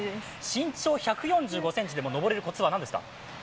身長１４５ｃｍでも登れるコツは何ですか？